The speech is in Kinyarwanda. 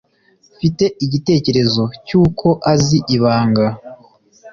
mfite igitekerezo cyuko azi ibanga